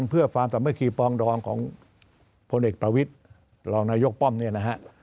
เพื่อความสามัคคีปองดองของพลเอกประวิทย์รองนายกป้อมเนี่ยนะฮะ